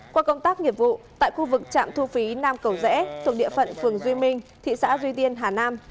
qua công tác nghiệp vụ tại khu vực trạm thu phí nam cầu rẽ thuộc địa phận phường duy minh thị xã duy tiên hà nam